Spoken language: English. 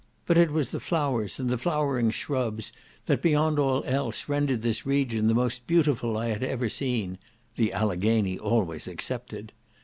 But it was the flowers, and the flowering shrubs that, beyond all else, rendered this region the most beautiful I had ever seen, (the Alleghany always excepted.)